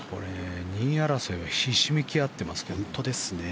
２位争いはひしめき合ってます。